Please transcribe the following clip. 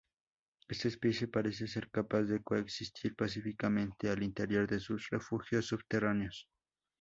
Esta especie parece ser capaz de coexistir pacíficamente al interior de sus refugios subterráneos.